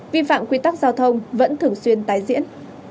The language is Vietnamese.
vi phạm quy tắc giao thông vẫn thường xuyên tái diễn